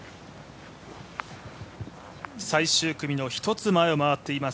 最終組の１つ前を回っています